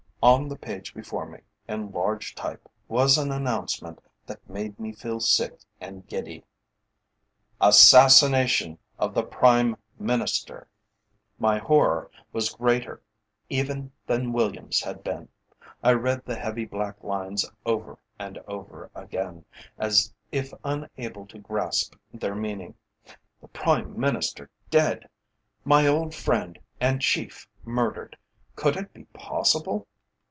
On the page before me, in large type, was an announcement that made me feel sick and giddy: "ASSASSINATION OF THE PRIME MINISTER!" My horror was greater even than Williams's had been. I read the heavy black lines over and over again, as if unable to grasp their meaning. The Prime Minister dead! My old friend and Chief murdered! Could it be possible?